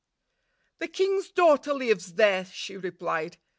"The king's daughter lives there," she re plied.